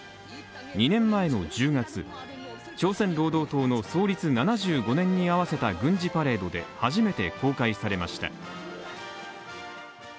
２年前の１０月、朝鮮労働党の創立７５年に合わせた軍事パレードで初めて公開されました。